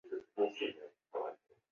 舒磷人。